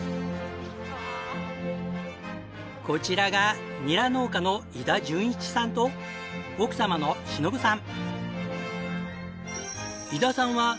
こちらがニラ農家の伊田順一さんと奥様の忍子さん。